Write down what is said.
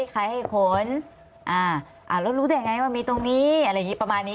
ใครให้ขนอ่าแล้วรู้ได้ไงว่ามีตรงนี้อะไรอย่างงี้ประมาณนี้